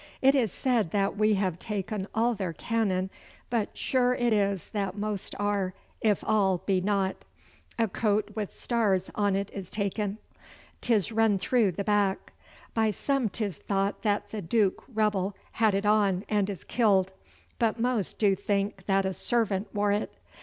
It is said that we have taken all their cannon, but sure it is that most are, if all be not. A coat with stars on 't is taken. ''Tis run through the back. By some 'tis thought that the Duke rebbell had it on and is killed, but most doe think that a servant wore it.